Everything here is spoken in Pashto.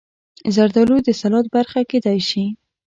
زردالو د سلاد برخه کېدای شي.